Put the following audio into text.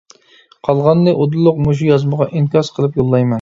قالغاننى ئۇدۇللۇق مۇشۇ يازمىغا ئىنكاس قىلىپ يوللايمەن.